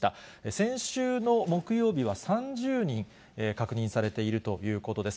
先週の木曜日は３０人確認されているということです。